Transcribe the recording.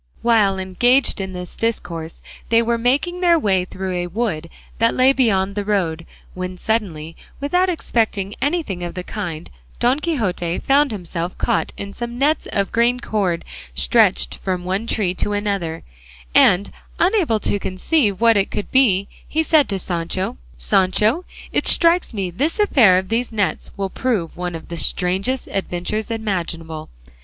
While engaged in this discourse they were making their way through a wood that lay beyond the road, when suddenly, without expecting anything of the kind, Don Quixote found himself caught in some nets of green cord stretched from one tree to another; and unable to conceive what it could be, he said to Sancho, "Sancho, it strikes me this affair of these nets will prove one of the strangest adventures imaginable.